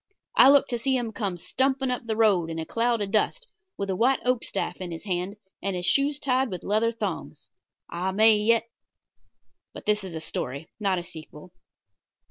I looked to see him come stumping up the road in a cloud of dust, with a white oak staff in his hand and his shoes tied with leather thongs. I may yet But this is a story, not a sequel.